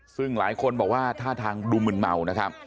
ซึ่งหลายคนบอกว่าท่าทางดูมึนเมานะครับ